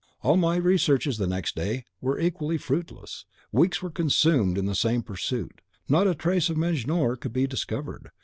All my researches the next day were equally fruitless. Weeks were consumed in the same pursuit, not a trace of Mejnour could be discovered.